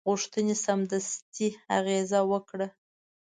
غوښتنې سمدستي اغېزه وکړه.